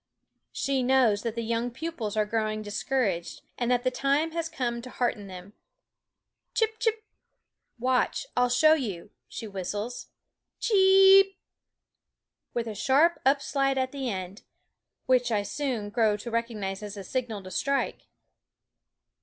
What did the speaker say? She knows that the young pupils are growing discouraged, and that the time has come to hearten them. Chip, chip! " watch, I '11 show you," she whistles Cheeeep! with a sharp up slide at the end, which I soon grow to recognize as the signal to strike.